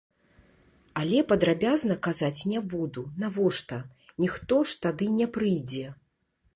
Але падрабязна казаць не буду, навошта, ніхто ж тады не прыйдзе.